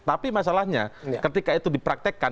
tapi masalahnya ketika itu dipraktekkan